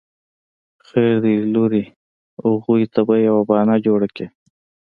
خير دی لورې اغوئ ته به يوه بانه جوړه کې.